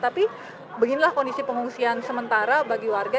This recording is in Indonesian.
tapi beginilah kondisi pengungsian sementara bagi warga